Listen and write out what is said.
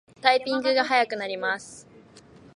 タイピングが早くなります